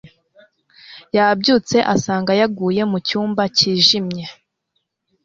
Yabyutse asanga yugaye mu cyumba cyijimye.